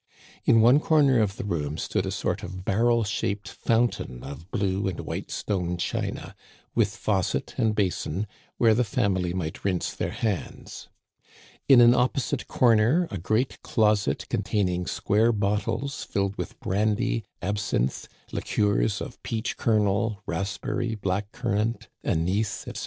In one comer of the room stood a sort of barrel shaped fountain of blue and white stone china, with faucet and basin, where the family might rinse their hands. In an opposite comer a great closet, containing square bottles filled with brandy, absinthe, liqueurs of peach kernel, raspberry, black currant, anise, etc.